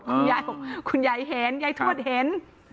คุณยายบอกคุณยายเห็นยายทวดเห็น